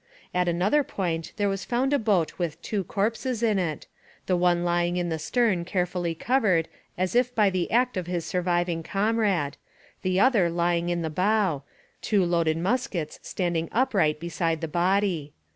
At another point there was found a boat with two corpses in it, the one lying in the stern carefully covered as if by the act of his surviving comrade, the other lying in the bow, two loaded muskets standing upright beside the body.